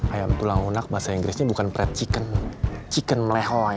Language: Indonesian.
ayam tulang lunak bahasa inggrisnya bukan fried chicken chicken melihoy